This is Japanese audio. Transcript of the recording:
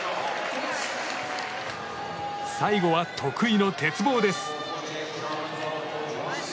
最後は得意の鉄棒です。